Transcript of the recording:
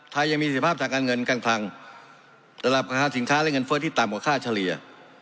ไทยยังมีสิทธิภาพสถานการณ์เงินกันพลังสำหรับค่าสินค้าและเงินเฟิร์ชที่ต่ำกว่าค่าเฉลี่ย